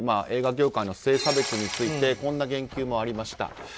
映画業界の性差別についてこんな言及もありました。